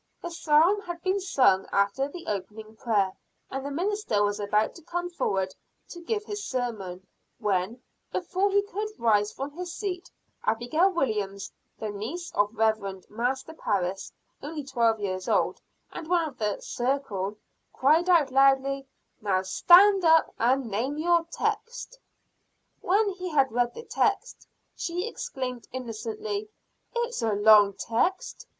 The psalm had been sung after the opening prayer and the minister was about to come forward to give his sermon, when, before he could rise from his seat, Abigail Williams, the niece of the Reverend Master Parris, only twelve years old, and one of the "circle" cried out loudly: "Now stand up and name your text!" When he had read the text, she exclaimed insolently, "It's a long text."